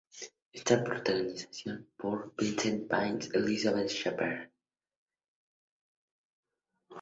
Está protagonizada por Vincent Price y Elizabeth Shepherd.